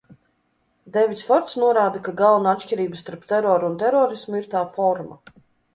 Deivids Forts norāda, ka galvenā atšķirība starp teroru un terorismu ir tā forma.